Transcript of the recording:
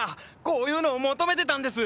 こういうのを求めてたんです！